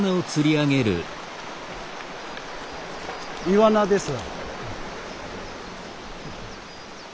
イワナです。